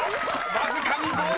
わずかに５！］